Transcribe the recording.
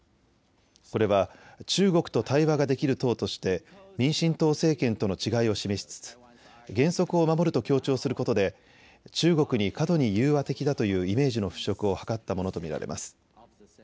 これは中国と対話ができる党として民進党政権との違いを示しつつ原則を守ると強調することで中国に過度に融和的だというイメージの払拭を図ったものと見られます。